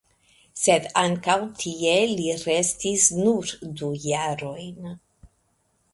Sed ankaŭ tie li restis nur du jarojn.